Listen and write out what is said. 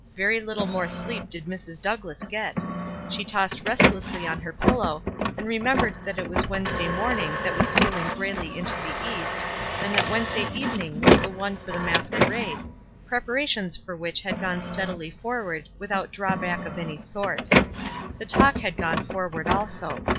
Very little more sleep did Mrs. Douglass get ; she tossed restlessly on her pillow, and remembered that it was Wed nesday morning that was stealing grayly into the east, and that Wednesday evening was the one for the masquerade, preparations for which had gone steadily forward without drawback of any sort. The talk had gone forward also.